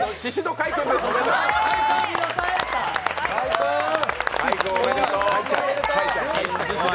開君おめでとう。